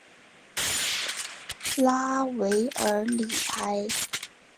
拉韦尔里埃。